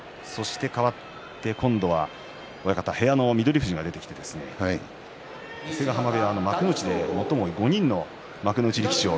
そしてかわって今度は部屋の翠富士が出てきて伊勢ヶ濱部屋の５人の幕内力士。